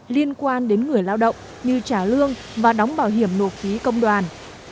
liên quan đến người lao động như trả lương và đóng bảo hiểm nộp phí công đoàn